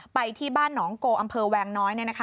ไปที่บ้านหนองโกอำเภอแวงน้อย